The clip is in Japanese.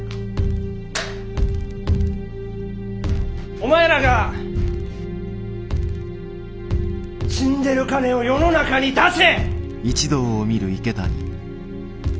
お前らが死んでる金を世の中に出せ！